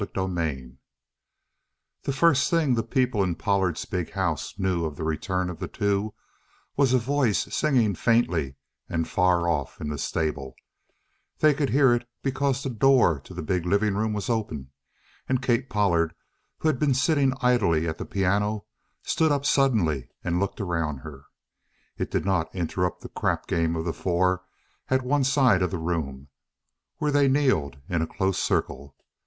CHAPTER 31 The first thing the people in Pollard's big house knew of the return of the two was a voice singing faintly and far off in the stable they could hear it because the door to the big living room was opened. And Kate Pollard, who had been sitting idly at the piano, stood up suddenly and looked around her. It did not interrupt the crap game of the four at one side of the room, where they kneeled in a close circle.